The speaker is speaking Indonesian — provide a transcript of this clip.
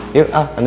yuk ah andi